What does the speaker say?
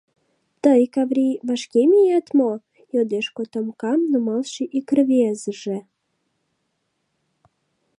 — Тый, Каврий, вашке миет мо? — йодеш котомкам нумалше ик рвезыже.